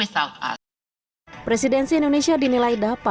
tidak ada apa apa tentang kita tanpa kita